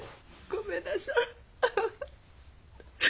ごめんなさい。